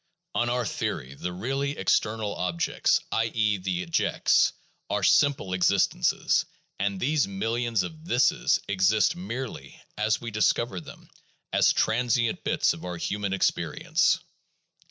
On our theory the really external objects, i. e., the ejects, are simple existences, and these millions of "thises" exist merely (as we discover them) as transient bits of our human experi ence.